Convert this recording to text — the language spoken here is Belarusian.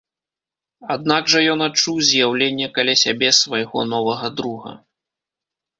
Аднак жа ён адчуў з'яўленне каля сябе свайго новага друга.